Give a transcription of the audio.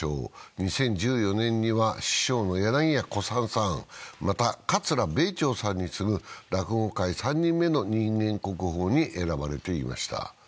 ２０１４年には師匠の柳家小さんさん、また、桂米朝さんに次ぐ落語界３人目の人間国宝に選ばれていました。